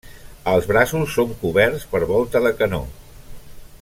Els braços són coberts per volta de canó.